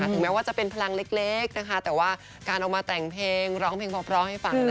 ถึงแม้ว่าจะเป็นพลังเล็กนะคะแต่ว่าการออกมาแต่งเพลงร้องเพลงเพราะให้ฟัง